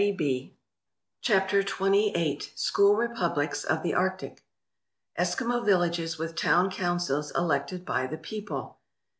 221 CHAPTER XXVIII SCHOOL REPUBLICS OF THE ARCTIC ! ESKIMO villages with town councils elected by the people!